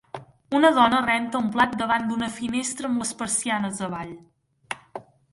Una dona renta un plat davant d'una finestra amb les persianes avall.